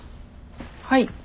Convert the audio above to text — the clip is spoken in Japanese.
はい。